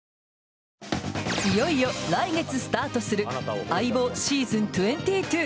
いよいよ来月スタートする「相棒ｓｅａｓｏｎ２２」。